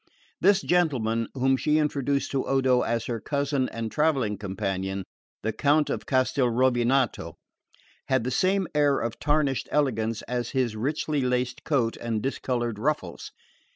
This gentleman, whom she introduced to Odo as her cousin and travelling companion, the Count of Castelrovinato, had the same air of tarnished elegance as his richly laced coat and discoloured ruffles.